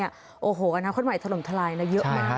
อาณาคตใหม่ถล่มทลายเยอะมาก